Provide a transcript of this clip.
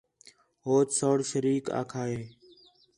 ہوچ سوڑ شیریک آکھا ہِے